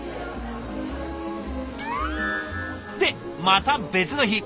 でまた別の日。